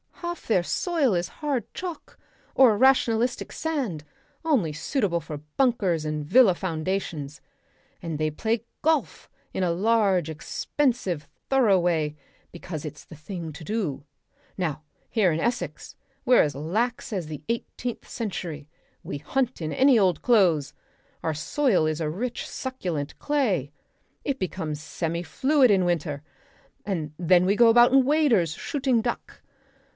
Half their soil is hard chalk or a rationalistic sand, only suitable for bunkers and villa foundations. And they play golf in a large, expensive, thorough way because it's the thing to do.... Now here in Essex we're as lax as the eighteenth century. We hunt in any old clothes. Our soil is a rich succulent clay; it becomes semi fluid in winter when we go about in waders shooting duck.